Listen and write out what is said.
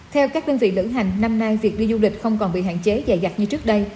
theo các đơn vị lữ hành năm nay việc đi du lịch không còn bị hạn chế dài dặt như trước đây